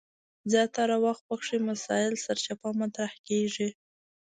زیاتره وخت پکې مسایل سرچپه مطرح کیږي.